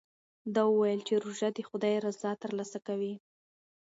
ده وویل چې روژه د خدای رضا ترلاسه کوي.